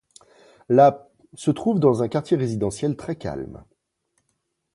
La ' se trouve dans un quartier résidentiel très calme.